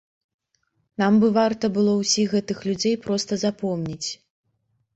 Нам бы варта было ўсіх гэтых людзей проста запомніць.